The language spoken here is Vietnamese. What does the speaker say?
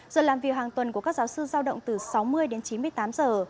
giờ làm việc hàng tuần của các giáo sư giao động từ sáu mươi đến chín mươi tám giờ